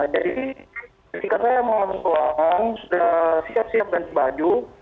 jadi ketika saya mau masuk ruang sudah siap siap dan dibaju